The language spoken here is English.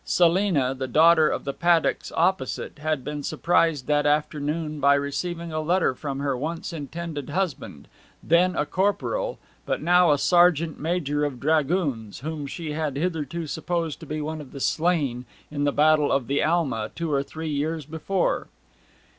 Selina, the daughter of the Paddocks opposite, had been surprised that afternoon by receiving a letter from her once intended husband, then a corporal, but now a sergeant major of dragoons, whom she had hitherto supposed to be one of the slain in the Battle of the Alma two or three years before.